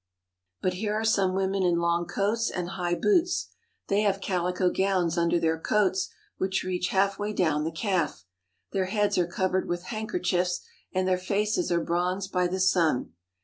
But here are some women in long coats and high boots. They have calico gowns under their coats which reach half way down the calf. Their heads are covered with handkerchiefs, and their faces are bronzed by the sun.